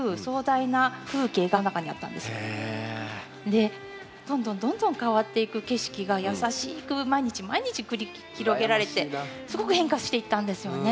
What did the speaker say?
でどんどんどんどん変わっていく景色が優しく毎日毎日繰り広げられてすごく変化していったんですよね。